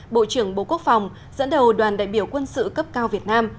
bộ trưởng bộ quốc phòng dẫn đầu đoàn đại biểu quân sự cấp cao việt nam